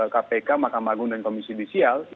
kpk mahkamah agung dan komisi judisial